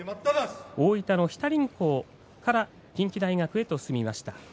大分の日田林工から近畿大学に進みました。